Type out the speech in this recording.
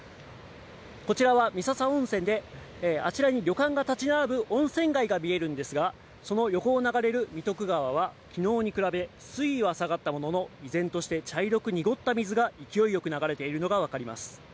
こちらは三朝温泉で、あちらに旅館が建ち並ぶ温泉街が見えるんですが、その横を流れる三徳川は、きのうに比べ水位は下がったものの、依然として茶色く濁った水が勢いよく流れているのが分かります。